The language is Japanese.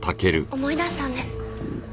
思い出したんです。